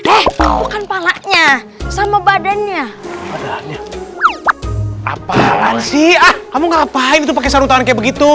eh bukan palanya sama badannya apaan sih kamu ngapain tuh pakai sarung tahan kayak begitu